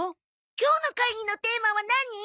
今日の会議のテーマは何？